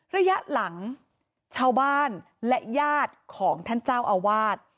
ระยะหลังชาวบ้านและญาติของท่านเจ้าอาวาส